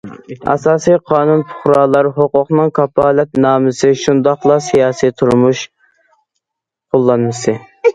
ئاساسىي قانۇن پۇقرالار ھوقۇقىنىڭ كاپالەتنامىسى، شۇنداقلا سىياسىي تۇرمۇش قوللانمىسى.